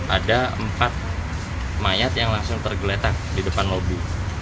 ada empat mayat yang langsung tergeletak di depan lobi